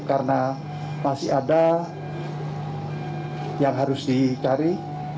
karena masih ada yang harus dicari